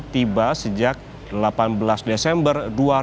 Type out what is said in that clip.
tiba sejak delapan belas desember dua ribu dua puluh